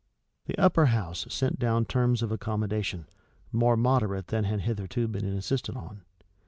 The upper house sent down terms of accommodation, more moderate than had hitherto been insisted on.